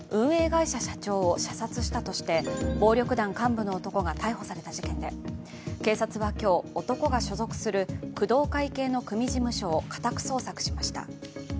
会社社長を射殺したとして暴力団幹部の男が逮捕された事件で警察は今日、男が所属する工藤会系の組事務所を家宅捜索しました。